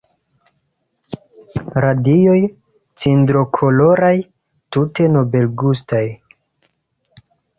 Radioj cindrokoloraj, tute nobelgustaj!